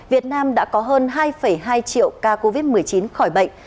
việt nam đã có hơn hai hai triệu ca covid một mươi chín khỏi bệnh